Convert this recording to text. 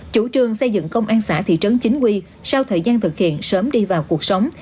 chủ trương xây dựng công an xã thị trấn chính quy sau thời gian thực hiện sớm đi vào cuộc sống